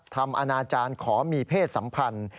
อนาจารย์ขอมีเพศสัมพันธ์